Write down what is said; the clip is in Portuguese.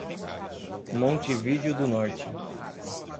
Montividiu do Norte